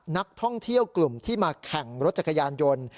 นักท่องเที่ยวกลุ่มที่มาแข่งรถจักรยานยนต์